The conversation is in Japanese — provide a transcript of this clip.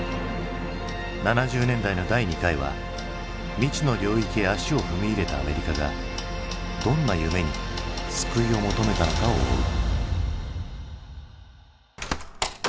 ７０年代の第２回は未知の領域へ足を踏み入れたアメリカがどんな夢に救いを求めたのかを追う。